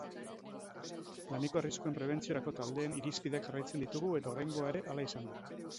Laneko arriskuen prebentziorako taldeen irizpideak jarraitzen ditugu eta oraingoa ere hala izan da.